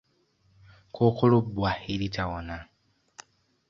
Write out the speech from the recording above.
Kkookolo bbwa eritawona.